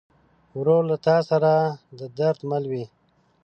ورور له تا سره د درد مل وي.